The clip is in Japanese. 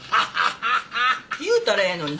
言うたらええのに。